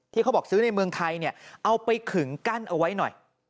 เขาบอกซื้อในเมืองไทยเนี่ยเอาไปขึงกั้นเอาไว้หน่อย